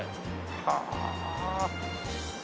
はあ。